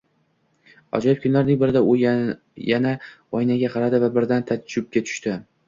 Ajoyib kunlarning birida u yana oynaga qaradi va birdan taajjubga tushdi